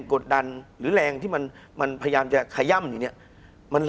คุณผู้ชมบางท่าอาจจะไม่เข้าใจที่พิเตียร์สาร